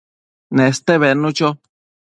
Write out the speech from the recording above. Neste bednu cho